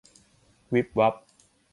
วิบวับ